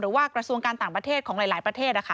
หรือว่ากระทรวงการต่างประเทศของหลายประเทศ